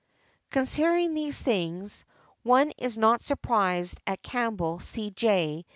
Considering these things, one is not surprised at Campbell, C.J.